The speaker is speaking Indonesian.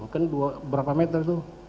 kan berapa meter tuh